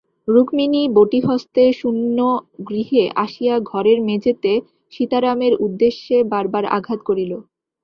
রুক্মিণী বঁটি হস্তে শূন্য গৃহে আসিয়া ঘরের মেজেতে সীতারামের উদ্দেশে বারবার আঘাত করিল।